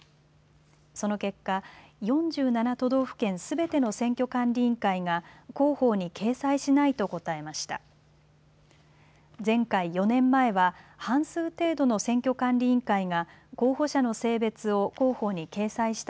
その結果、４７都道府県すべての選挙管理委員会が公報に掲載しないと答えました。